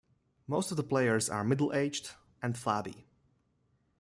Most of the players are middle-aged and flabby.